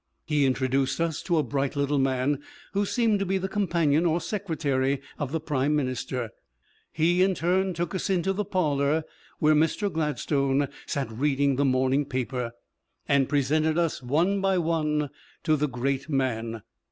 He introduced us to a bright little man who seemed to be the companion or secretary of the Prime Minister; he, in turn, took us into the parlor where Mr. Gladstone sat reading the morning paper, and presented us one by one to the great man.